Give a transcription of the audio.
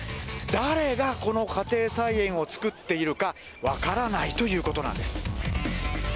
誰がこの家庭菜園を作っているか分からないということなんです。